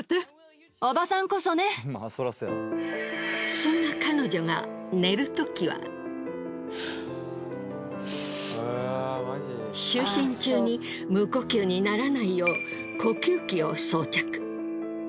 そんな彼女が就寝中に無呼吸にならないよう呼吸器を装着。